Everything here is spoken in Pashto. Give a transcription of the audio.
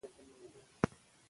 د ترنګ اوبه غاړه تر غاړې بهېږي.